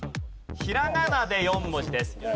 ひらがなで４文字です。